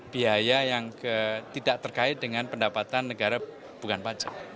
biaya yang tidak terkait dengan pendapatan negara bukan pajak